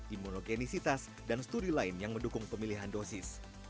imunogenisitas dan sturi lain yang mendukung pemilihan dosis